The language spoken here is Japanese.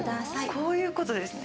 こういうことですね。